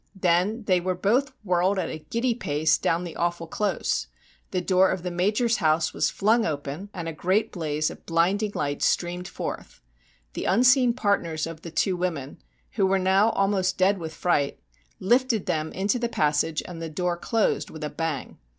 Then they were both whirled at a giddy pace down the awful close. The door of the Major's house was flung open, and a great blaze of blinding light streamed forth. The unseen partners of the two women, who were now almost dead with fright, lifted them into the passage, and the door closed with a bang.